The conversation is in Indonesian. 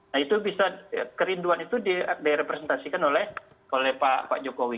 nah itu bisa kerinduan itu direpresentasikan oleh pak jokowi